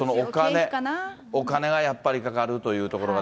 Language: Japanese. お金がかかるというところが。